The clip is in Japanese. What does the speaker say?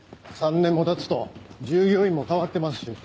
３年もたつと従業員も変わってますし。